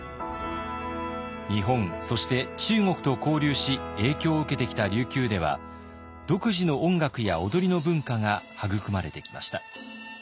日本そして中国と交流し影響を受けてきた琉球では独自の音楽や踊りの文化が育まれてきました。